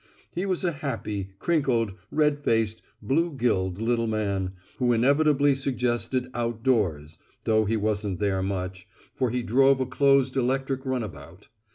He was a happy, crinkled, red faced, blue gilled little man, who inevitably suggested outdoors, though he wasn't there much, for he drove a closed electric runabout.